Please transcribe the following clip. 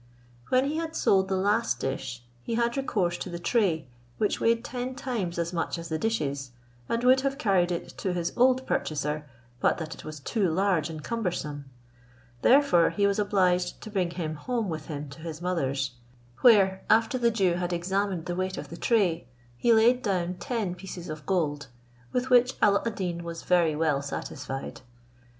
When he had sold the last dish, he had recourse to the tray, which weighed ten times as much as the dishes, and would have carried it to his old purchaser, but that it was too large and cumbersome; therefore he was obliged to bring him home with him to his mother's, where, after the Jew had examined the weight of the tray, he laid down ten pieces of gold, with which Alla ad Deen was very well satisfied.